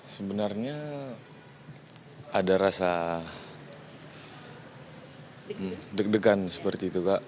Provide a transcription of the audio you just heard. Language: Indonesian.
sebenarnya ada rasa deg degan seperti itu kak